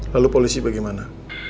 lalu polisi bagaimana